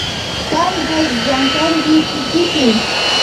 Kanpash llankanki kikipi.